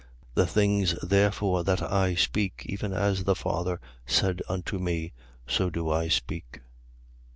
The things therefore that I speak, even as the Father said unto me, so do I speak.